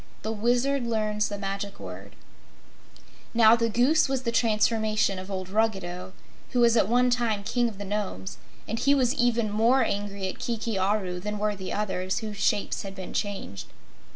The Wizard Learns the Magic Word Now, the Goose was the transformation of old Ruggedo, who was at one time King of the Nomes, and he was even more angry at Kiki Aru than were the others who shapes had been changed.